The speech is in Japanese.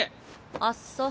あっそ。